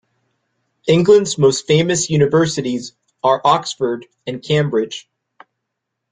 England’s most famous universities are Oxford and Cambridge